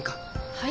はい？